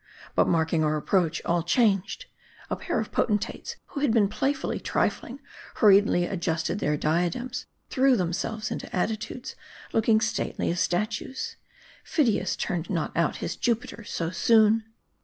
But mark ing our approach, all changed. A pair of potentates, who had been playfully trifling, hurriedly adjusted their diadems, threw themselves into attitudes, looking stately as statues. Phidias turned not out his Jupiter so soon.